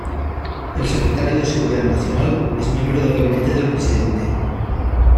El Secretario de Seguridad Nacional es miembro del gabinete del Presidente.